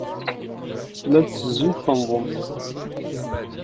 Llant ttezzint, ttennḍent.